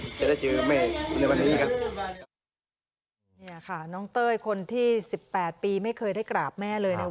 ที่หาหายกันมาก็หลายปีครับสิบแปดปีครับซักแต่ผมเล็กเล็ก